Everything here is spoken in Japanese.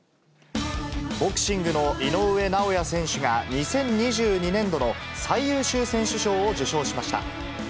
ボクシングの井上尚弥選手が、２０２２年度の最優秀選手賞を受賞しました。